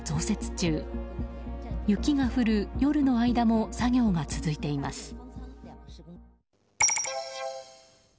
雪が降る夜の間も作業が続いています。